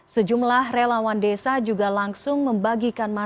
sejumlah relawan desa juga langsung membagikan makanan